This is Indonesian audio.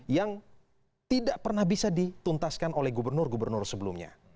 yang tidak pernah bisa dituntaskan oleh gubernur gubernur sebelumnya